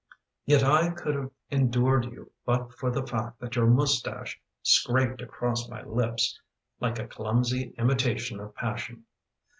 Yet I could have endured you But for the fact that your moustache Scraped across my lips Like a clumsy imitation of passion.